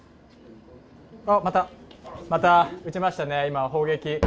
また撃ちましたね、今、砲撃。